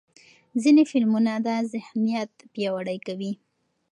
ځینې فلمونه دا ذهنیت پیاوړی کوي.